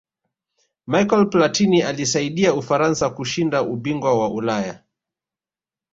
michael platin aliisaidia ufaransa kushinda ubingwa wa ulaya